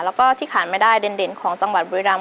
แล้วก็ที่ขาดไม่ได้เด่นของจังหวัดบุรีรำ